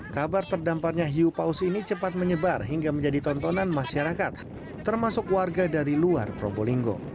kabar terdamparnya hiu paus ini cepat menyebar hingga menjadi tontonan masyarakat termasuk warga dari luar probolinggo